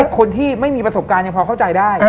คนที่ไม่มีประสบการณ์ยังพอเข้าใจได้